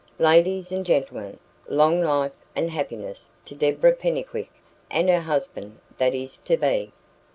Ladies and gentlemen, long life and happiness to Deborah Pennycuick and her husband that is to be!"